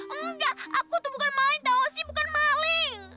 enggak enggak aku tuh bukan main tau sih bukan maling